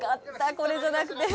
これじゃなくて。